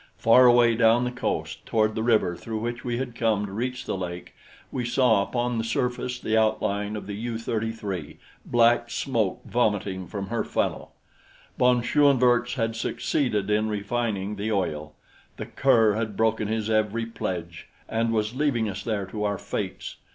Far away down the coast, toward the river through which we had come to reach the lake, we saw upon the surface the outline of the U 33, black smoke vomiting from her funnel. Von Schoenvorts had succeeded in refining the oil! The cur had broken his every pledge and was leaving us there to our fates.